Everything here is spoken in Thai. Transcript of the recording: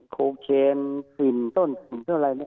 โคเชนฟินต้นอะไรอะไร